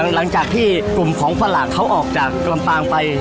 หลังจากที่กลุ่มของฝรั่งเขาออกจากลำปางไป